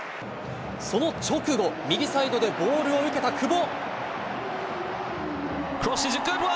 その直後、右サイドでボールを受けた久保。